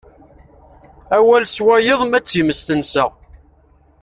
Awal s wayeḍ, ma d times tensa.